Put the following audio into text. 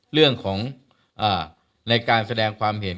เรื่องของการแสดงความเห็น